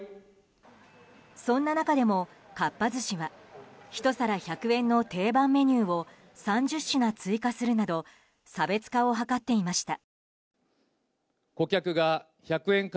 そんな中でも、かっぱ寿司はひと皿１００円の定番メニューを３０品追加するなど差別化を図っていました。